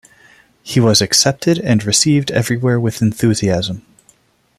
He was accepted and received everywhere with enthusiasm.